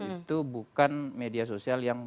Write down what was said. itu bukan media sosial yang